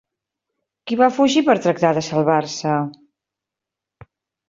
Qui va fugir per tractar de salvar-se?